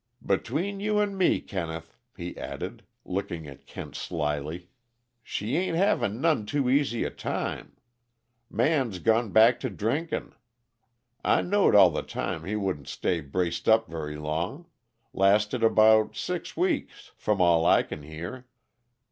"Between you an' me, Kenneth," he added, looking at Kent slyly, "she ain't having none too easy a time. Man's gone back to drinkin' I knowed all the time he wouldn't stay braced up very long lasted about six weeks, from all I c'n hear.